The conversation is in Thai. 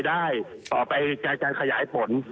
ต่อไปการขยายผลยังไม่ทราบว่าจะขยายผลได้อย่างไร